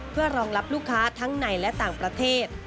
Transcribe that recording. เพื่อรองรับลูกค้าทั้งในและต่างประเทศ